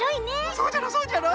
そうじゃろそうじゃろ？